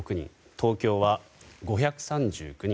東京は５３９人。